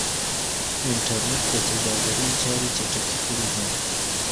انټرنیټ د سوداګرۍ چاري چټکې کړي دي.